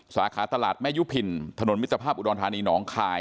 สาขาตลาดแม่ยุพินถนนมิตรภาพอุดรธานีน้องคาย